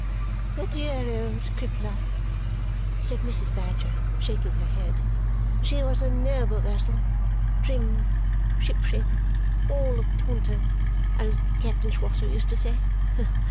"The dear old Crippler!" said Mrs. Badger, shaking her head. "She was a noble vessel. Trim, ship shape, all a taunto, as Captain Swosser used to say.